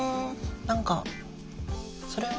何かそれも。